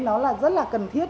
nó là rất là cần thiết